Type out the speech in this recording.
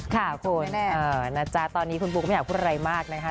ค่ะคุณนะจ๊ะตอนนี้คุณปูก็ไม่อยากพูดอะไรมากนะคะ